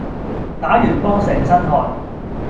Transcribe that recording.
打完波成身汗